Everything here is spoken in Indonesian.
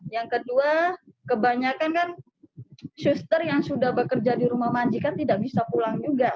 yang kedua kebanyakan kan suster yang sudah bekerja di rumah majikan tidak bisa pulang juga